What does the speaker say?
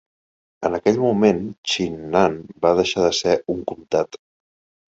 En aquell moment, Xin'an va deixar de ser un comtat.